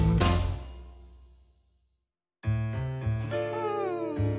うん。